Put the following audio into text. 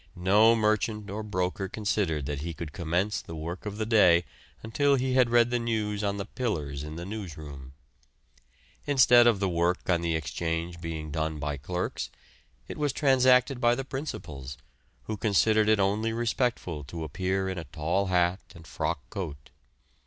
No merchant or broker considered that he could commence the work of the day until he had read the news on the "pillars" in the newsroom. Instead of the work on the Exchange being done by clerks, it was transacted by the principals, who considered it only respectful to appear in a tall hat and frock coat.